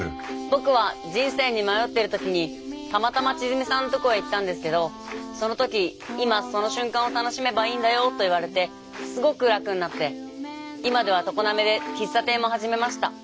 僕は人生に迷ってる時にたまたま千純さんのとこへ行ったんですけどその時「今その瞬間を楽しめばいいんだよ」と言われてすごく楽になって今では常滑で喫茶店も始めました。